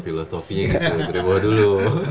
filosofinya gitu dari bawah dulu